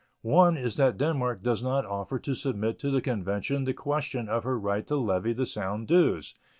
One is that Denmark does not offer to submit to the convention the question of her right to levy the Sound dues.